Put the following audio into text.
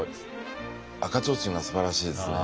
赤ちょうちんがすばらしいですね。